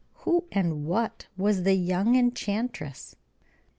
Who and what was the young enchantress?